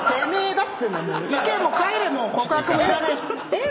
えっ！